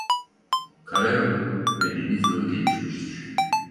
Karayolu ve denizyolu gelişmiştir.